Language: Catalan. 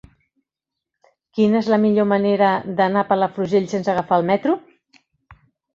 Quina és la millor manera d'anar a Palafrugell sense agafar el metro?